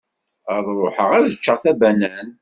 Ad ruḥeɣ ad ččeɣ tabanant.